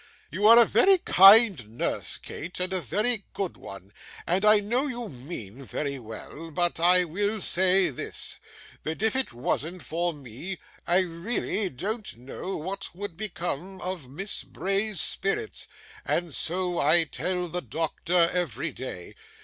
You are a very kind nurse, Kate, and a very good one, and I know you mean very well; but I will say this that if it wasn't for me, I really don't know what would become of Miss Bray's spirits, and so I tell the doctor every day.